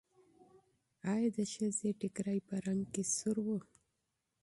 ایا د ښځې چادر په رنګ کې سور و؟